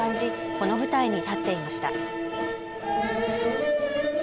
この舞台に立っていました。